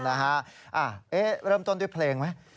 เริ่มต้นด้วยเพลงไหม